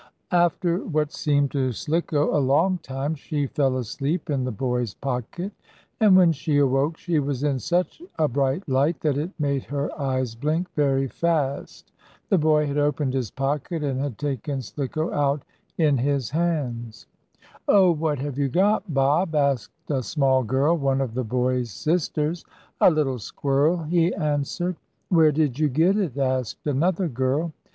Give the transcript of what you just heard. After what seemed to Slicko a long time, she fell asleep in the boy's pocket, and, when she awoke, she was in such a bright light that it made her eyes blink very fast. The boy had opened his pocket, and had taken Slicko out in his hands. "Oh, what have you got, Bob?" asked a small girl, one of the boy's sisters. "A little squirrel," he answered. "Where did you get it?" asked another girl.